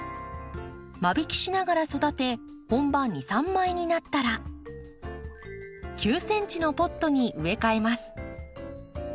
間引きしながら育て本葉２３枚になったら９ｃｍのポットに植え替えます。